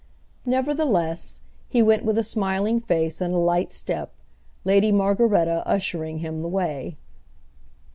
Nevertheless, he went with a smiling face and a light step, Lady Margaretta ushering him the way.